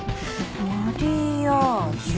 マリアージュ。